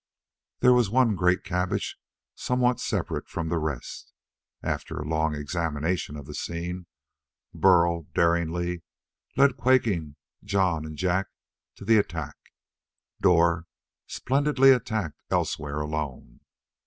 There was one great cabbage somewhat separate from the rest. After a long examination of the scene, Burl daringly led quaking Jon and Jak to the attack. Dor splendidly attacked elsewhere, alone.